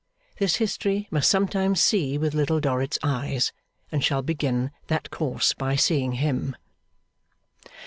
This history must sometimes see with Little Dorrit's eyes, and shall begin that course by seeing him.